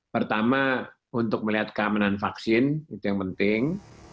pertama untuk melihat keamanan vaksin itu yang penting